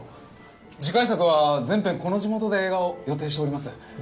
次回作は全編この地元で映画を予定しております。